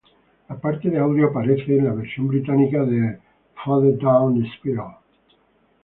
La parte de audio aparece en la versión británica de Further Down the Spiral.